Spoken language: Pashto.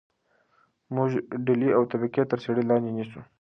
موږ ډلې او طبقې تر څېړنې لاندې نیسو.